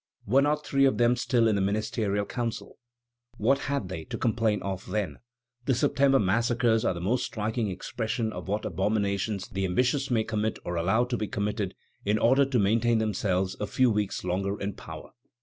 Were not three of them still in the Ministerial Council? What had they to complain of, then? The September massacres are the most striking expression of what abominations the ambitious may commit or allow to be committed in order to maintain themselves a few weeks longer in power.